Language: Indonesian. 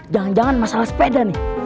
jangan jangan masalah sepeda nih